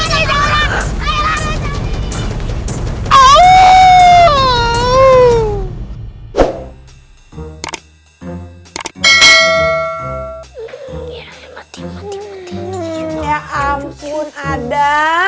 aduh gini gilakan absence